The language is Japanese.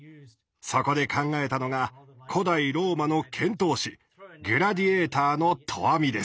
そこで考えたのが古代ローマの剣闘士グラディエーターの投網です。